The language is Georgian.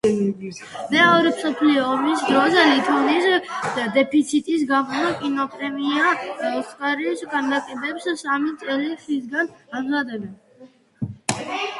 მეორე მსოფლიო ომის დროს, ლითონის დეფიციტის გამო, კინოპრემია „ოსკარის“ ქანდაკებებს სამი წელი ხისგან ამზადებდნენ.